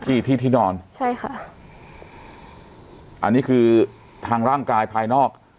ที่ที่นอนใช่ค่ะอันนี้คือทางร่างกายภายนอก